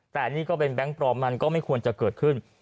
แต่นี่ก็เป็นแบงค์ปลอมมันก็ไม่ควรจะเกิดขึ้น